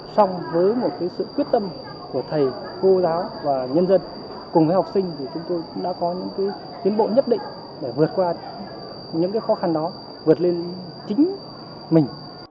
xong với một sự quyết tâm của thầy cô giáo và nhân dân cùng với học sinh thì chúng tôi cũng đã có những tiến bộ nhất định để vượt qua những khó khăn đó vượt lên chính mình